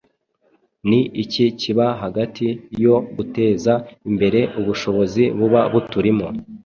Ni iki kiba hagati yo guteza imbere ubushobozi buba buturimo